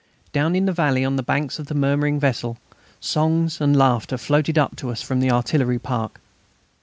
Down in the valley on the banks of the murmuring Vesle, songs and laughter floated up to us from the artillery park.